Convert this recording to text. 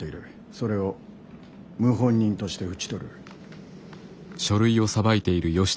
それを謀反人として討ち取る。